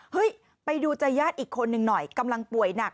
ไปดูใจญาติอีกคนหนึ่งหน่อยกำลังป่วยหนัก